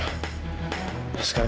kami sudah selesai